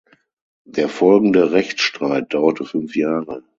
Der folgende Rechtsstreit dauerte fünf Jahre.